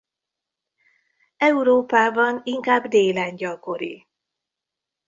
Európában inkább délen gyakori.